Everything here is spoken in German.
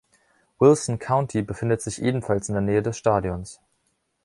Wilson County befindet sich ebenfalls in der Nähe des Stadions.